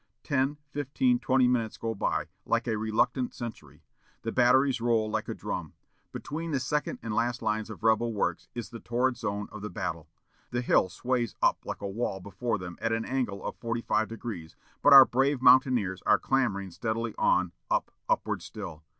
Ten, fifteen, twenty minutes go by, like a reluctant century. The batteries roll like a drum. Between the second and last lines of rebel works is the torrid zone of the battle. The hill sways up like a wall before them at an angle of forty five degrees, but our brave mountaineers are clambering steadily on up upward still!...